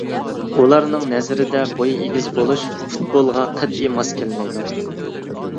ئۇلارنىڭ نەزىرىدە بويى ئېگىز بولۇش پۇتبولغا قەتئىي ماس كەلمەيدۇ.